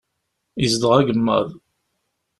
Izdeɣ agemmaḍ.